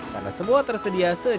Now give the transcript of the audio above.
karena semua tersedia di kios ini